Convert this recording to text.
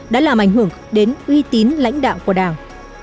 đã làm ảnh hưởng đến uy tín lãnh đạo của đảng